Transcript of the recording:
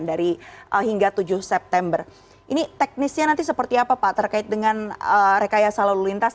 dari hingga tujuh september ini teknisnya nanti seperti apa pak terkait dengan rekayasa lalu lintas